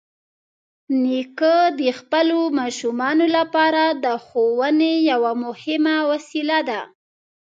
نیکه د خپلو ماشومانو لپاره د ښوونې یوه مهمه وسیله ده.